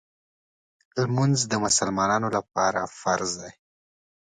لمونځ د مسلمانانو لپاره فرض دی.